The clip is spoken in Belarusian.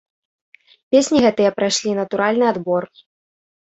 Песні гэтыя прайшлі натуральны адбор.